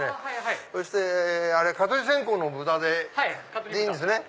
そしてあれ蚊取り線香の豚でいいんですね。